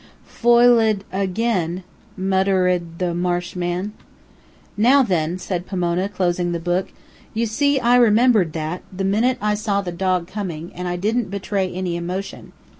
"Foi led again," mutter ed the marsh man. "Now, then," said Pomona, closing the book, "you see I remembered that, the minute I saw the dog coming, and I didn't betray any emotion.